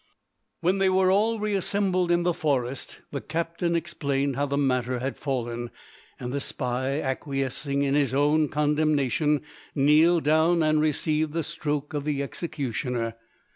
When they were all reassembled in the forest, the captain explained how the matter had fallen, and the spy, acquiescing in his own condemnation, kneeled down and received the stroke of the executioner.